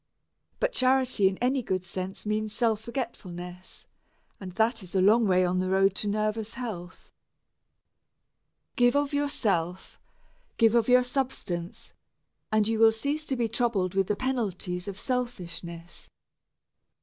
But charity in any good sense means self forgetfulness, and that is a long way on the road to nervous health. Give of yourself, give of your substance, and you will cease to be troubled with the penalties of selfishness.